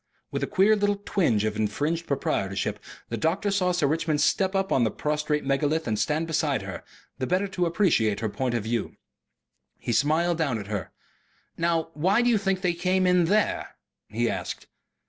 With a queer little twinge of infringed proprietorship, the doctor saw Sir Richmond step up on the prostrate megalith and stand beside her, the better to appreciate her point of view. He smiled down at her. "Now why do you think they came in THERE?" he asked.